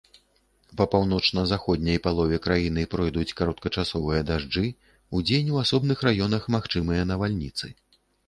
Па паўночна-заходняй палове краіны пройдуць кароткачасовыя дажджы, удзень у асобных раёнах магчымыя навальніцы.